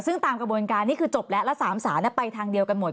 ซึ่งตามกระบวนการนี้คือจบแล้วแล้ว๓ศาลไปทางเดียวกันหมด